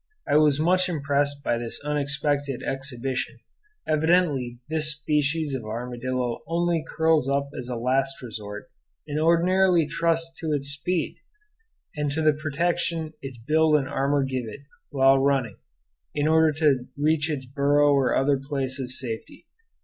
I was much impressed by this unexpected exhibition; evidently this species of armadillo only curls up as a last resort, and ordinarily trusts to its speed, and to the protection its build and its armor give it while running, in order to reach its burrow or other place of safety.